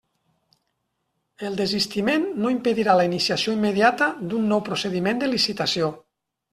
El desistiment no impedirà la iniciació immediata d'un nou procediment de licitació.